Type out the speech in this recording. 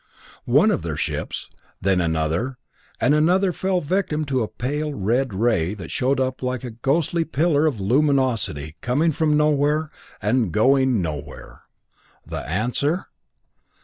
One of their ships then another and another fell victim to a pale red ray that showed up like a ghostly pillar of luminosity coming from nowhere and going nowhere! The answer?